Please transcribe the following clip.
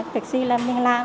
việc gì là mình làm